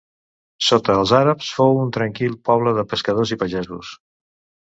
Sota els àrabs fou un tranquil poble de pescadors i pagesos.